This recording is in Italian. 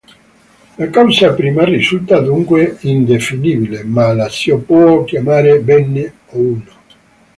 La causa prima risulta dunque indefinibile, ma la si può chiamare Bene, o Uno.